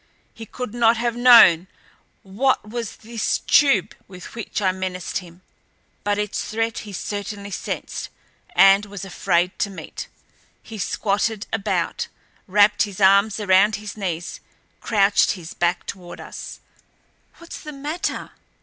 He could not have known what was this tube with which I menaced him, but its threat he certainly sensed and was afraid to meet. He squattered about, wrapped his arms around his knees, crouched with back toward us. "What's the matter?"